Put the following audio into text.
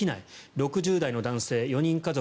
６０代の男性４人家族。